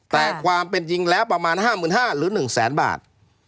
แต่ความเป็นจริงแล้วก็๕๕๐๐๐บาทหรือ๑๐๐๐๐๐บาท